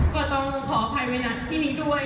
ก็ต้องขออภัยไม่ณทีมีด้วย